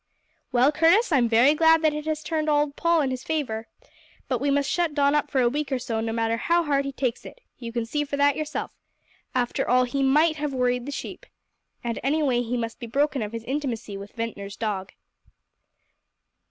"Well, Curtis, I'm very glad that it has turned old Paul in his favour. But we must shut Don up for a week or so, no matter how hard he takes it. You can see that for yourself. After all, he might have worried the sheep. And, anyway, he must be broken of his intimacy with Ventnor's dog."